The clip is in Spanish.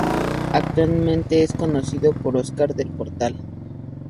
Actualmente es conducido por Óscar del Portal.